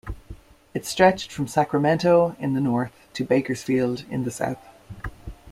It stretched from Sacramento in the north to Bakersfield in the south.